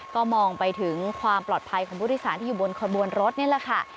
ก็มองไปถึงความปลอดภัยของผู้โดยสารที่อยู่บนขบวนรถนี่แหละค่ะ